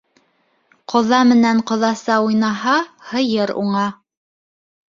Ҡоҙа менән ҡоҙаса уйнаһа, һыйыр уңа.